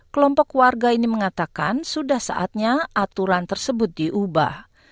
kelompok warga ini mengatakan sudah saatnya aturan tersebut diubah